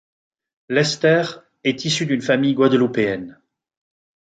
Lester est issu d'une famille guadeloupéenne.